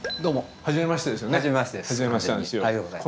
初めましてです。